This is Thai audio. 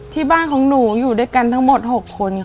ที่บ้านของหนูอยู่ด้วยกันทั้งหมด๖คนค่ะ